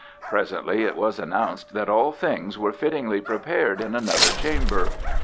Presently it was announced that all things were fittingly prepared in another chamber.